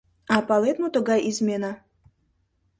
А палет, мо тугай измена?